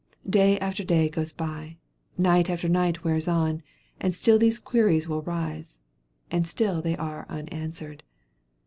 Day after day goes by, night after night wears on, and still these queries will arise, and still they are unanswered.